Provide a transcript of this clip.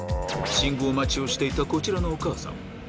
信号待ちをしていた、こちらのお母さん。